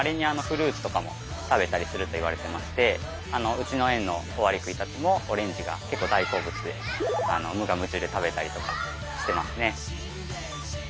うちの園のオオアリクイたちもオレンジが結構大好物で無我夢中で食べたりとかしてますね。